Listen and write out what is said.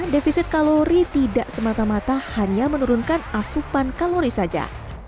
defisit kalori tidak semata mata hanya menurunkan asupan kalori saja